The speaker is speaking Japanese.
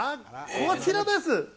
こちらです。